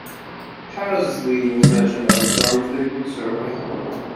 Pattesley was mentioned on the Domesday Book survey.